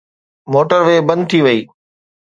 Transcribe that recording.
Motor وي بند ٿي وئي.